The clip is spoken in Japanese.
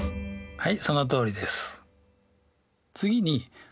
はい。